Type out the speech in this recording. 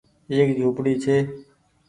ايڪ جهونپڙي ڇي